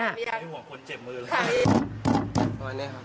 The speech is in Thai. ไม่ห่วงคนเจ็บมือเลย